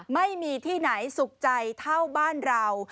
ไม่มีที่ไหนสุขใจเท่าบ้านเรา